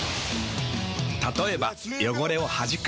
たとえば汚れをはじく。